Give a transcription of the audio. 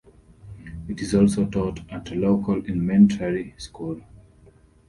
It is also taught at a local elementary school.